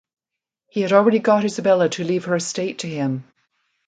He had already got Isabella to leave her estate to him.